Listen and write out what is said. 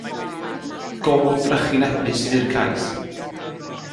Go drychinebus fu'r cais.